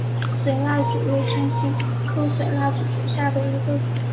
水蜡烛为唇形科水蜡烛属下的一个种。